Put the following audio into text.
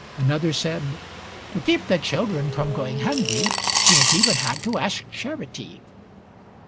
Another said, "To keep the children from going hungry she has even had to ask charity."